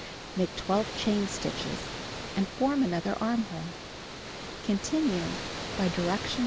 Make 12 chain stitches and form other armhole. Continue by direction No.